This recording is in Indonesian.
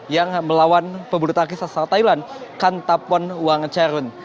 yang melawan pebulu tangkis asal thailand kantapon wang charun